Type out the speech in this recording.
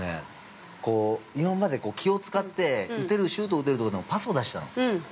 ◆今まで気を使ってシュート打てるとこでもパスを出してたの。